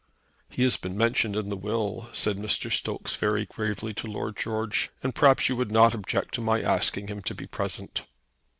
"He has been mentioned in the will," said Mr. Stokes very gravely to Lord George, "and perhaps you would not object to my asking him to be present."